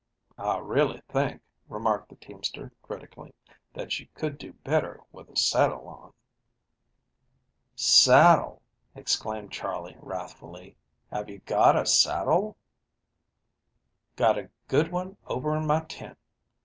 "I really think," remarked the teamster critically, "that you could do better with a saddle on." "Saddle," exclaimed Charley wrathfully, "have you got a saddle?" "Got a good one over in my tent.